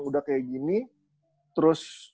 udah kayak gini terus